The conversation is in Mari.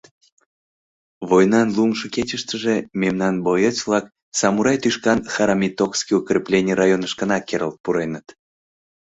Войнан лумшо кечыштыже мемнан боец-влак самурай тӱшкан Харамитогский укреплений районышкына керылт пуреныт.